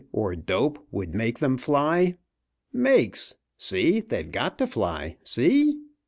or dope would make them fly. 'Makes!' They've got to fly! See?